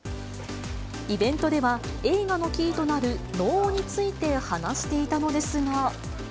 イベントでは、映画のキーとなる能について話していたのですが。